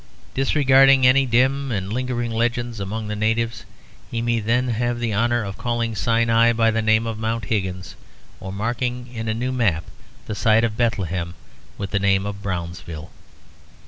Disregarding any dim and lingering legends among the natives, he may then have the honour of calling Sinai by the name of Mount Higgins, or marking on a new map the site of Bethlehem with the name of Brownsville.